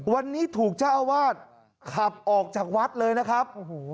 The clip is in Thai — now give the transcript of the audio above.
วันนี้ถูกเจ้าอาวาสขับออกจากวัดเลยนะครับ